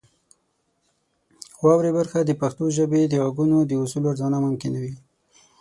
واورئ برخه د پښتو ژبې د غږونو د اصولو ارزونه ممکنوي.